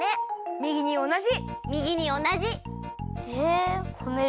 みぎにおなじ。